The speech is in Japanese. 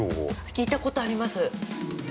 ◆聞いたことあります。